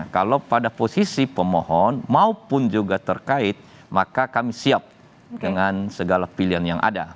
kalau pada posisi pemohon maupun juga terkait maka kami siap dengan segala pilihan yang ada